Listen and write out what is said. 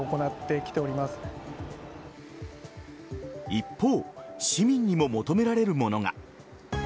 一方市民にも求められるものが。